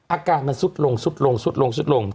อาการมันซุดลง